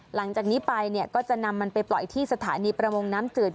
หลังจากนี้ไปเนี่ยก็จะนำมันไปปล่อยที่สถานีประมงน้ำจืด